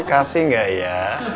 kasih enggak ya